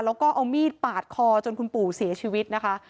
แล้วก็เอามีดปาดคอจนคุณปู่เสียชีวิตนะคะ